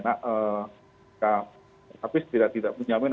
tapi setidak tidak menjamin